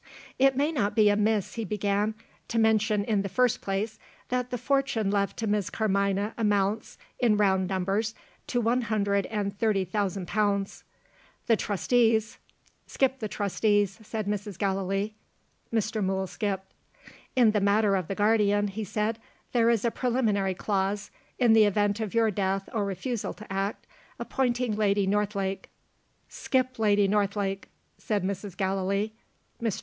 "It may not be amiss," he began, "to mention, in the first place, that the fortune left to Miss Carmina amounts, in round numbers, to one hundred and thirty thousand pounds. The Trustees " "Skip the Trustees," said Mrs. Gallilee. Mr. Mool skipped. "In the matter of the guardian," he said, "there is a preliminary clause, in the event of your death or refusal to act, appointing Lady Northlake " "Skip Lady Northlake," said Mrs. Gallilee. Mr.